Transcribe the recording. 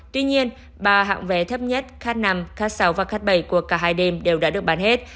tuy nhiên ba hạng vé thấp nhất cát năm cát sáu và cát bảy của cả hai đêm đều đã được bán hết